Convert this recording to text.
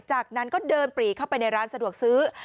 จากนั้นก็เดินปรีเข้าไปในร้านสะดวกซื้อ